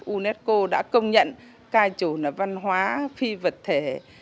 unesco đã công nhận ca trù là văn hóa phi vật thể